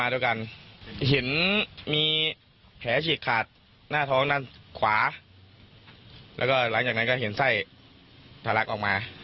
แล้วคนเจ็บนะครับไส้ทะลักออกมา